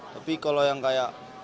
tapi kalau yang kayak